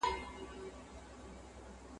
نه نارې یې چا په غرو کي اورېدلې !.